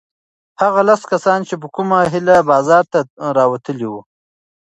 هغه لس کسان چې په کومه هیله بازار ته راوتلي وو؟